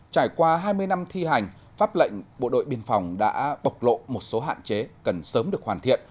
trải qua hai mươi năm thi hành pháp lệnh bộ đội biên phòng đã bộc lộ một số hạn chế cần sớm được hoàn thiện